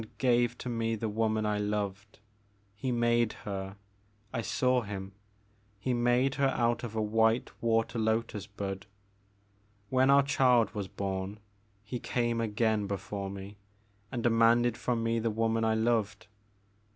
He made and gave to me the woman I loved, — he made her, — I saw him, — he made her out of a white water lotus bud. When our child was bom, he came again before me and demanded from me the woman I loved.